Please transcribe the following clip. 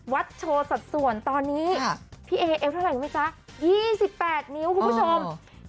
โชว์สัดส่วนตอนนี้พี่เอเอวเท่าไหร่รู้ไหมจ๊ะ๒๘นิ้วคุณผู้ชม